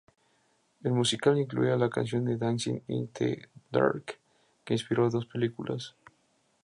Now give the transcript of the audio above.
El musical incluía la canción "Dancing in the Dark", que inspiró dos películas.